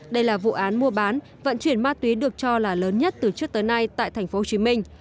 đây là vụ án mua bán vận chuyển ma túy được cho là lớn nhất từ trước tới nay tại thành phố hồ chí minh